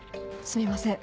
すみません。